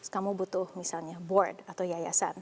kamu butuh misalnya board atau yayasan